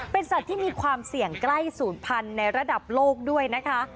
เป็นสัตว์ที่มีความเสี่ยงใกล้ศูนย์พันธุ์ในระดับโลกด้วยนะคะ